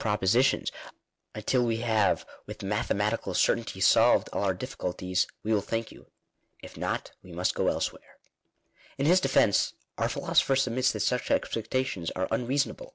# propositions until we have with mathematical certainty solved all our difficulties — we will thank you. If not, we must go elsewhere." In his defence, our philosopher submits that such expecta tions are unreasonable.